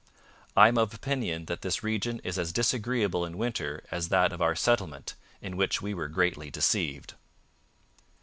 I am of opinion that this region is as disagreeable in winter as that of our settlement, in which we were greatly deceived.'